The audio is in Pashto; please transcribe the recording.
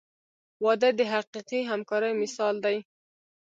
• واده د حقیقي همکارۍ مثال دی.